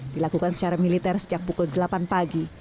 dilakukan secara militer sejak pukul delapan pagi